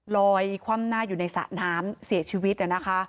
ลอยคว่ำหน้าอยู่ในสระน้ำเสียชีวิตอะนะคะ